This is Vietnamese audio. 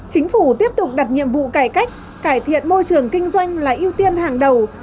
chính phủ tiếp tục đặt nhiệm vụ cải cách cải thiện môi trường kinh doanh là ưu tiên hàng đầu